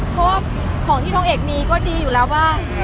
เพราะว่าของที่ทองเอกมีก็ดีอยู่แล้วว่า